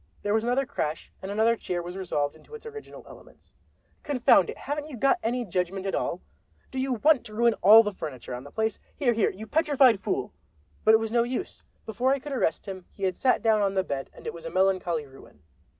There was another crash, and another chair was resolved into its original elements. "Confound it, haven't you got any judgment at all? Do you want to ruin all the furniture on the place? Here, here, you petrified fool—" But it was no use. Before I could arrest him he had sat down on the bed, and it was a melancholy ruin.